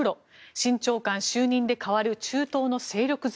新長官就任で変わる中東の勢力図。